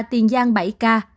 tiền giang bảy ca